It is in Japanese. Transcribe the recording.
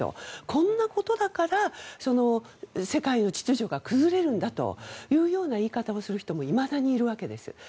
こんなことだから世界の秩序が崩れるんだというような言い方をする人もいまだにいるわけなんです。